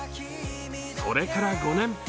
それから５年。